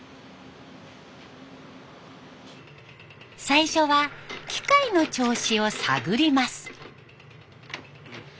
最初は機械の調子を探ります。